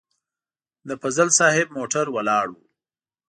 د فضل صاحب موټر ولاړ و.